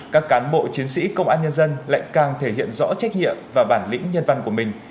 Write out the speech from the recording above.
các cán bộ chiến sĩ công an nhân dân lại càng thể hiện rõ trách nhiệm và bản lĩnh nhân văn của mình